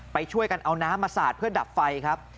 ไปช่วยกันเอาน้ำมาสาดเพื่อดับไฟครับ